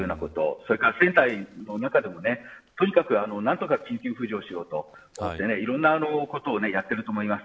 それから船体の中でもとにかく何とか緊急浮上しようといろんなことをやっていると思います。